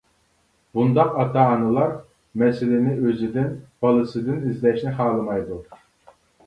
بۇنداق ئاتا-ئانىلار مەسىلىنى ئۆزىدىن، بالىسىدىن ئىزدەشنى خالىمايدۇ.